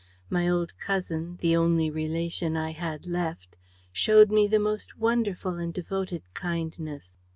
My old cousin, the only relation I had left, showed me the most wonderful and devoted kindness.